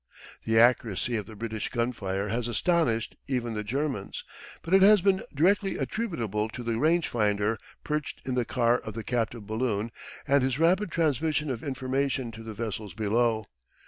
The accuracy of the British gun fire has astonished even the Germans, but it has been directly attributable to the rangefinder perched in the car of the captive balloon and his rapid transmission of information to the vessels below.